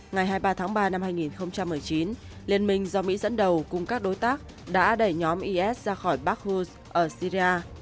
ngày hai mươi ba tháng ba năm hai nghìn một mươi chín liên minh do mỹ dẫn đầu cùng các đối tác đã đẩy nhóm is ra khỏi bark house ở syria